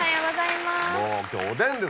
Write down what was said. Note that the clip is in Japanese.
もう今日おでんです